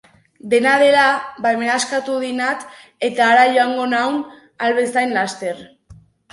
Dena dela, baimena eskatuko dinat eta hara joango naun ahal bezain laster.